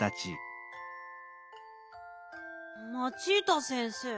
マチータ先生。